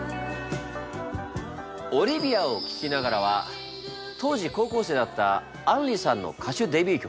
「オリビアを聴きながら」は当時高校生だった杏里さんの歌手デビュー曲。